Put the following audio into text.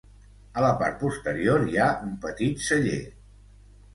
A la part posterior hi ha un petit celler.